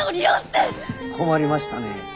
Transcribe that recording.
困りましたね。